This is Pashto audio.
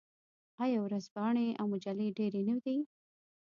آیا ورځپاڼې او مجلې ډیرې نه دي؟